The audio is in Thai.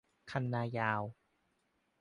คันนายาว